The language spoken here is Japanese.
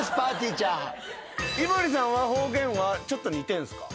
井森さんは方言はちょっと似てんすか？